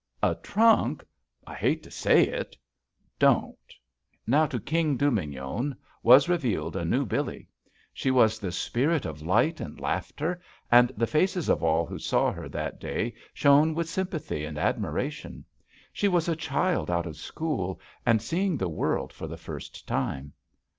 "A trunk? I hate to say it." "Don't." Now to King Dubignon was revealed a new Billee. She was the spirit of light and laughter, and the faces of all who saw her that day shone with sympathy and admira tion. She was a child out of school, and seeing the world for the first time.